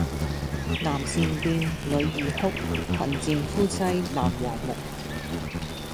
男善變，女易哭，貧賤夫妻難和睦